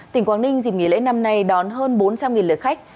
tỉnh quảng ninh dịp nghỉ lễ năm nay đón hơn bốn trăm linh lượt khách